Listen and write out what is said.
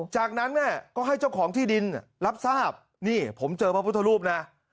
จากนั้นเนี่ยก็ให้เจ้าของที่ดินรับทราบนี่ผมเจอพระพุทธรูปนะ